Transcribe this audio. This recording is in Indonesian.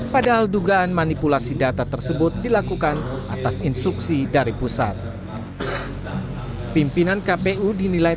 padahal dugaan manipulasi data tersebut dilakukan atas instruksi dari pusat pimpinan kpu dinilai